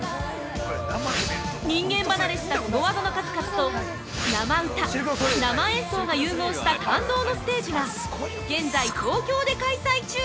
人間離れしたすご技の数々と生歌・生演奏が融合した感動のステージが現在、東京で開催中！